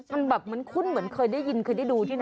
มันแบบเหมือนคุ้นเหมือนเคยได้ยินเคยได้ดูที่ไหน